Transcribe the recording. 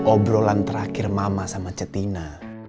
obrolan terakhir mama sama cetina